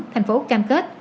tp hcm cam kết